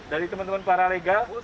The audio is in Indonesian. dari teman teman paralegal